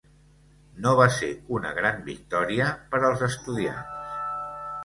No va ser una gran victòria per als estudiants.